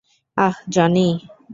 আহ, Johnny?